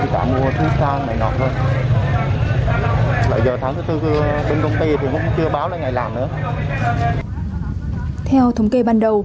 chỉ trong một năm